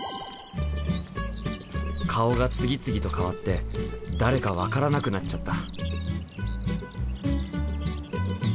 顔が次々と変わって誰か分からなくなっちゃった。